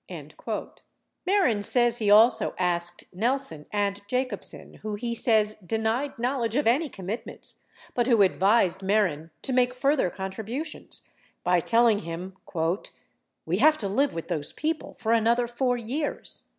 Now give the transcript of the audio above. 52 Mehren says he also asked Nelson and Jacobsen who he says denied knowledge of any commitments but who advised Mehren to make further con tributions, by telling him: "We have to live w T ith those people for another 4 years."